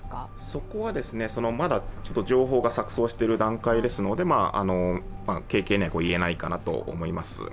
そこはまだ情報が錯綜している段階ですのでけいけいには言えないかなと思います。